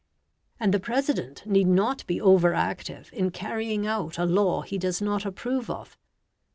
And the President need not be over active in carrying out a law he does not approve of.